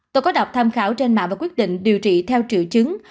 tôi có đọc tham khảo trên mạng và quyết định điều trị theo triệu chứng